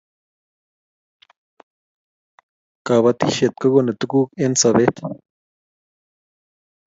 kabatishiet kokonu tuguk eng sabet